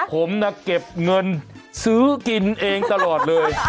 ผมนะเก็บเงินซื้อกินเองตลอดเลย